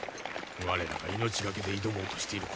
我らが命懸けで挑もうとしている